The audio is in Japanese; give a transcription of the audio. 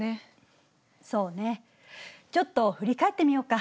そうねちょっと振り返ってみようか。